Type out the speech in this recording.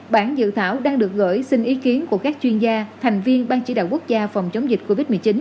bản dự thảo đang được gửi xin ý kiến của các chuyên gia thành viên ban chỉ đạo quốc gia phòng chống dịch covid một mươi chín